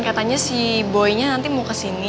katanya si boinya nanti mau kesini